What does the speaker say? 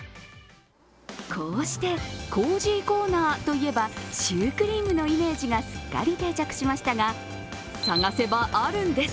こうしてコージーコーナーといえばシュークリームのイメージがすっかり定着しましたが探せばあるんです。